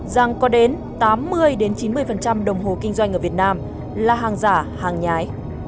rằng có đến tám mươi chín mươi đồng hồ kinh doanh ở việt nam là hàng giả hàng nhái